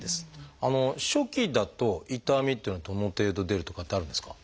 初期だと痛みっていうのはどの程度出るとかってあるんですか？